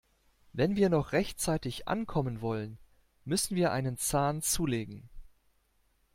Wenn wir noch rechtzeitig ankommen wollen, müssen wir einen Zahn zulegen.